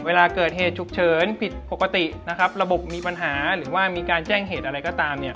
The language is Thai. เวลาเกิดเหตุฉุกเฉินผิดปกตินะครับระบบมีปัญหาหรือว่ามีการแจ้งเหตุอะไรก็ตามเนี่ย